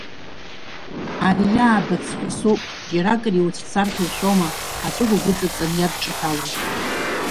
Ари иаабац ҳәасоуп, џьаракыр иуцәцар ҳәа ушәома, аҵәыгәагә ыҵаҵан иадҿаҳәало!